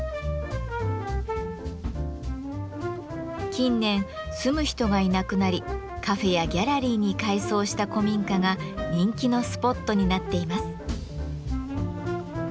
近年住む人がいなくなりカフェやギャラリーに改装した古民家が人気のスポットになっています。